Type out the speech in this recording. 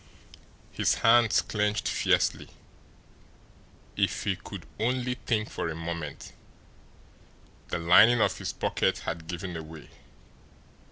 His hands clenched fiercely. If he could only think for a moment! The lining of his pocket had given away.